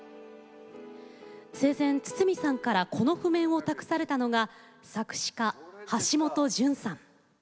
生前、筒美さんからこの譜面を託されたのが作詞家・橋本淳さん。